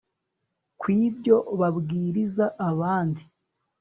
kwibyo babwiriza abandi